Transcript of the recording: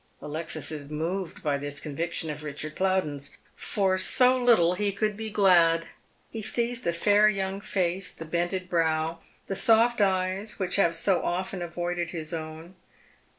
Alexis is moved by this conviction of Richard Plowdcn's. For A) little he could be glad. He sees the fair young face, the bended brow, the soft eyes which have so often avoided his own.